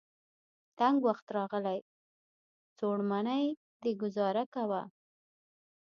تنګ وخت راغلی. څوړ منی دی ګذاره کوه.